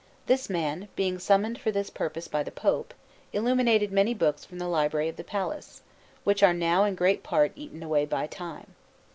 This man, being summoned for this purpose by the Pope, illuminated many books for the library of the palace, which are now in great part eaten away by time.